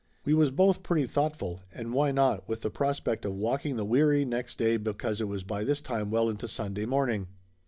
We was both pretty thoughtful, and why not with the prospect of walking the weary next day be cause it was by this time well into Sunday morning